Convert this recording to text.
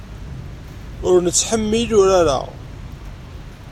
Ur nettḥemmil urar-a.